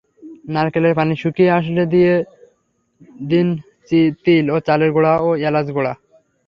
নারকেলের পানি শুকিয়ে আসলে দিয়ে দিন তিল ও চালের গুঁড়া ও এলাচ গুঁড়া।